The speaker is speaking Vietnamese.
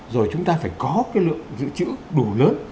rồi chúng ta phải có cái lượng dự trữ đủ lớn